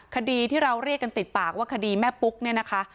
คดีที่เราเรียกกันติดปากว่าคดีแม่ปุ๊กเนี่ยนะคะ